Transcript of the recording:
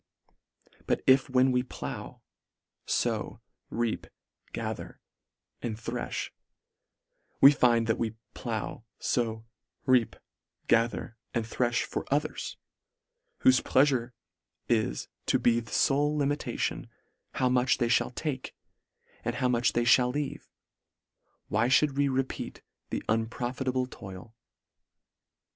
But if when we plow — fow — reap — gather — and threih, we find, that we plow — fow — reap — gather — and threih for others, whofe pleafure is to be the fole limitation, how much they fhall take, and how much they mall leave, why mould we repeat the unprofitable toil